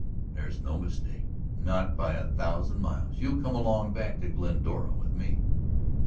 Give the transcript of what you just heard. "There's no mistake, not by a thousand miles. You'll come along back to Glendora with me."